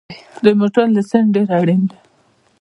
د موټر لېسنس ډېر اړین دی